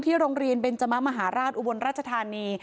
ที่โรงเรียนเบนจมัธมะหาราชอุวรรรชธานี